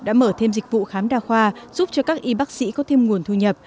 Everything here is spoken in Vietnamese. đã mở thêm dịch vụ khám đa khoa giúp cho các y bác sĩ có thêm nguồn thu nhập